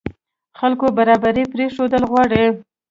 خلکو برابر پرېښودل غواړي.